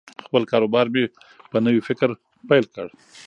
خپل کاروبار مې په نوي فکر پیل کړ.